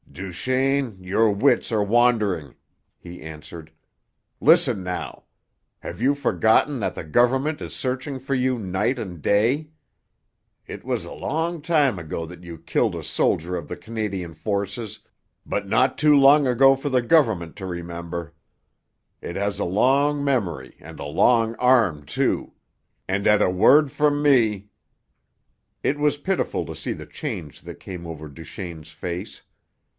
"Duchaine, your wits are wandering," he answered. "Listen now! Have you forgotten that the government is searching for you night and day? It was a long time ago that you killed a soldier of the Canadian forces, but not too long ago for the government to remember. It has a long memory and a long arm, too, and at a word from me " It was pitiful to see the change that came over Duchaine's face.